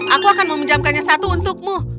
aku akan meminjamkannya satu untukmu